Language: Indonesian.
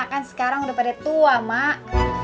kan sekarang udah pada tua mak